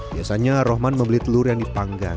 biasanya rohman membeli telur yang dipanggang